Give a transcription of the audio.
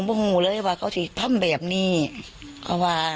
สงสันหนูเนี่ยว่าสงสันหนูเนี่ยว่าสงสันหนูเนี่ยมีกระทิแววออกได้จังไหน